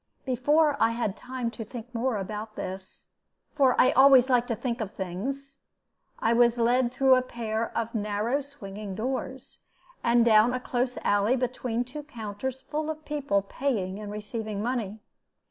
Before I had time to think more about this for I always like to think of things I was led through a pair of narrow swinging doors, and down a close alley between two counters full of people paying and receiving money.